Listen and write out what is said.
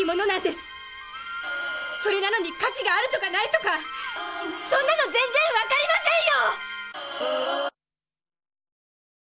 それなのに価値があるとかないとかそんなの全然わかりませんよ！」